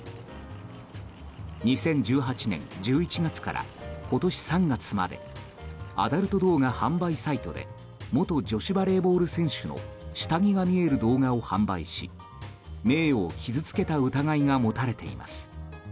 ２０１８年１１月から今年３月までアダルト動画販売サイトで元女子バレーボール選手の下着が見える動画を販売し名誉を傷つけた疑いが持たれています。